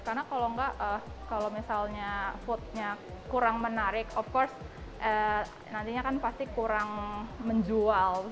karena kalau misalnya foodnya kurang menarik of course nantinya pasti kurang menjual